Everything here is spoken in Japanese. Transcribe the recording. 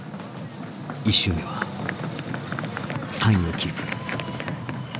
１周目は３位をキープ。